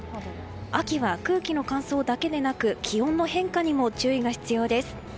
秋は、空気の乾燥だけでなく気温の変化にも注意が必要です。